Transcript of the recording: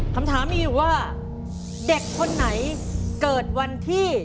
คำถามมีอยู่ว่าเด็กคนไหนเกิดวันที่